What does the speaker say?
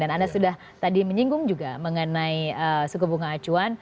dan anda sudah tadi menyingkung juga mengenai suku bunga acuan